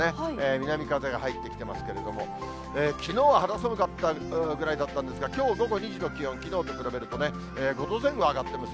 南風が入ってきてますけれども、きのうは肌寒かったぐらいだったんですが、きょう午後２時の気温、きのうと比べると、５度前後上がっています。